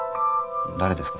誰ですか？